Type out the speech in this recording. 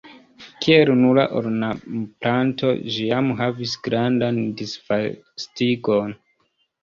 Kiel nura ornamplanto ĝi jam havis grandan disvastigon.